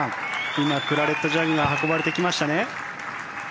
今、クラレットジャグが運ばれてきましたね。